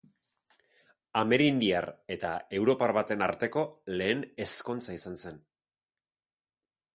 Amerindiar eta europar baten arteko lehen ezkontza izan zen.